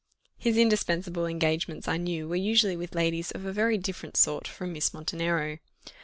His indispensable engagements I knew were usually with ladies of a very different sort from Miss Montenero.